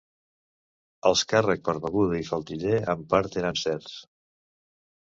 Els càrrec per beguda i faldiller, en part, eren certs.